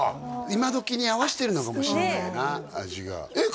今どきに合わせてるのかもしれないな味がえっ？